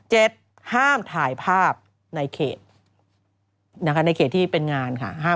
ห้ามถ่ายภาพในเขตนะคะในเขตที่เป็นงานค่ะ